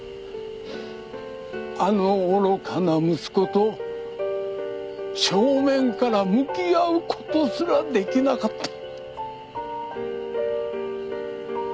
あの愚かな息子と正面から向き合う事すら出来なかった。